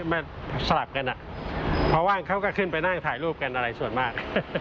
มาสลับกันเพราะว่างเขาก็ขึ้นไปนั่งถ่ายรูปกันอะไรส่วนมาก